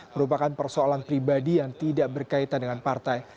merupakan persoalan pribadi yang tidak berkaitan dengan partai